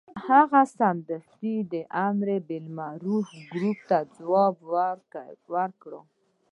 هغه سمدستي د امر بالمعروف ګروپ ته ځواب ورکړ.